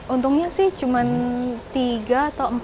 untungnya sih cuma tiga atau empat